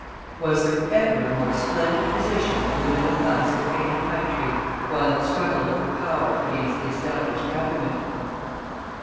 Was there ever a more splendid position for the middle class of any country, while it struggled for power against the established Government?